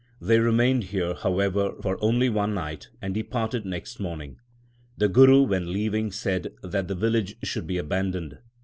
They remained there, however, for only one night, and departed next morning. The Guru when leaving said that the village should be abandoned.